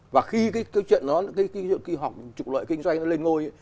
và khi cái chuyện đó khi họ trục lợi kinh doanh nó lên ngôi